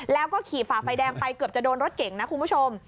แล้วก็ขี่ฝ่าไฟแดงไปเกือบจะโดนรถเก่งนะคุณผู้ชม